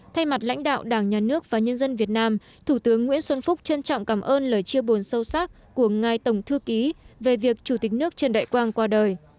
thay mặt lãnh đạo đảng nhà nước và nhân dân việt nam thủ tướng nguyễn xuân phúc trân trọng cảm ơn lời chia buồn sâu sắc của ngài tổng thư ký về việc chủ tịch nước trần đại quang qua đời